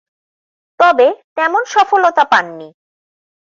তবে, তেমন সফলতা পাননি।